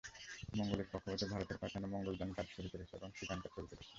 মঙ্গলের কক্ষপথে ভারতের পাঠানো মঙ্গলযান কাজ শুরু করেছে এবং সেখানকার ছবি তুলেছে।